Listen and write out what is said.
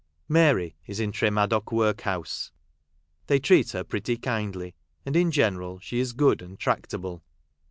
Mary is in Tre Madoc workhouse ; they treat her pretty kindly, and in general she is good and tractable.